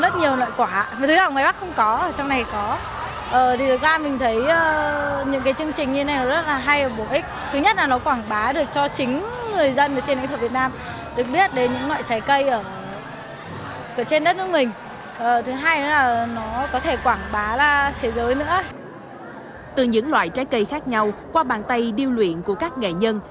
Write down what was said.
từ những loại trái cây khác nhau qua bàn tay điêu luyện của các nghệ nhân